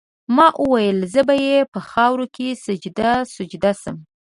ما ویل زه به دي په خاوره کي سجده سجده سم